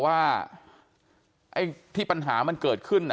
ความปลอดภัยของนายอภิรักษ์และครอบครัวด้วยซ้ำ